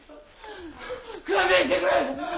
勘弁してくれ！